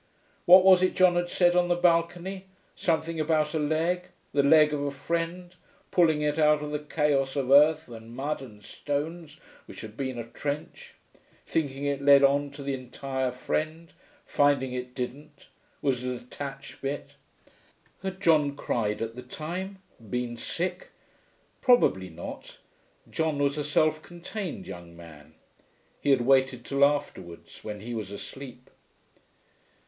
What was it John had said on the balcony something about a leg ... the leg of a friend ... pulling it out of the chaos of earth and mud and stones which had been a trench ... thinking it led on to the entire friend, finding it didn't, was a detached bit.... Had John cried at the time? Been sick? Probably not; John was a self contained young man. He had waited till afterwards, when he was asleep.